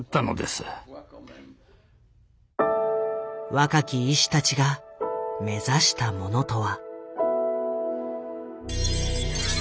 若き医師たちが目指したものとは？